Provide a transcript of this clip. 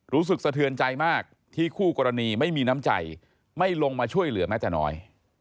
สะเทือนใจมากที่คู่กรณีไม่มีน้ำใจไม่ลงมาช่วยเหลือแม้แต่น้อย